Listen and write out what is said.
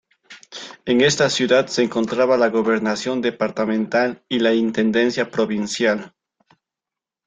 En esta ciudad se encontraba la Gobernación Departamental y la Intendencia Provincial.